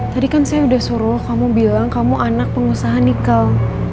tadi kan saya sudah suruh kamu bilang kamu anak pengusaha nikel